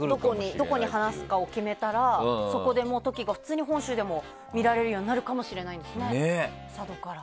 どこに放すかを決めたらそこでトキが普通に本州でも見られるようになるかもしれないんですね。